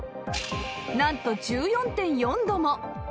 なんと １４．４ 度も！